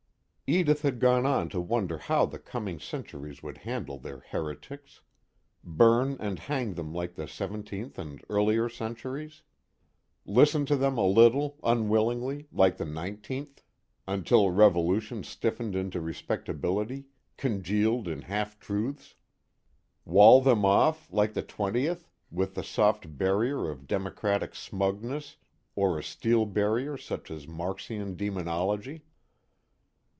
Edith had gone on to wonder how the coming centuries would handle their heretics. Burn and hang them like the seventeenth and earlier centuries? Listen to them a little, unwillingly, like the nineteenth, until revolution stiffened into respectability, congealed in half truths? Wall them off, like the twentieth, with the soft barrier of democratic smugness or a steel barrier such as Marxian demonology?